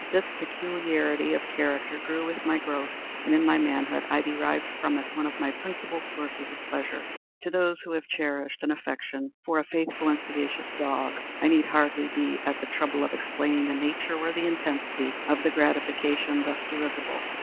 This peculiarity of character grew with my growth, and in my manhood, I derived from it one of my principal sources of pleasure. To those who have cherished an affection for a faithful and sagacious dog, I need hardly be at the trouble of explaining the nature or the intensity of the gratification thus derivable.